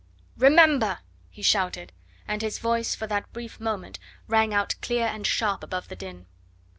"Remember!" he shouted, and his voice for that brief moment rang out clear and sharp above the din.